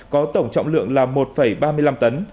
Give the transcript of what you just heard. có tổng trọng lượng là một ba mươi năm tấn